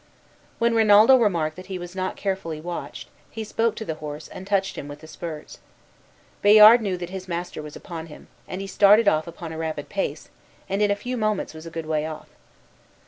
When Rinaldo remarked that he was not carefully watched, he spoke to the horse, and touched him with the spurs. Bayard knew that his master was upon him, and he started off upon a rapid pace, and in a few moments was a good way off.